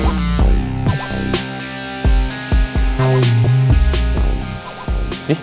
kenapa gak disini